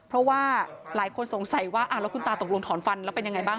เพราะว่าหลายคนสงสัยว่าแล้วคุณตาตกลงถอนฟันแล้วเป็นยังไงบ้าง